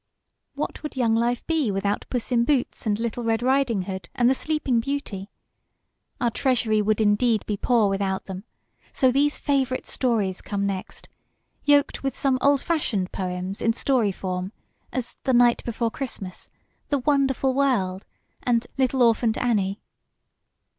What would young life be without "Puss in Boots" and "Little Red Riding Hood" and "The Sleeping Beauty"? Our TREASURY would indeed be poor without them, so these FAVORITE STORIES come next, yoked with some OLD FASHIONED POEMS in story form, as "The Night before Christmas," "The Wonderful World," and "Little Orphant Annie."